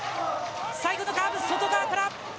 最後のカーブ、外側から。